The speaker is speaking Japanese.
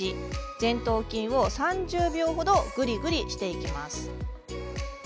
前頭筋を３０秒程ぐりぐりしていきます。